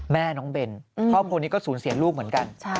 แม่น้องเบนพ่อพวกนี้ก็ศูนย์เสียลูกเหมือนกัน